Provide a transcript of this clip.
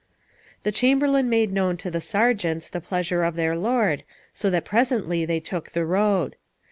The chamberlain made known to the sergeants the pleasure of their lord, so that presently they took the road.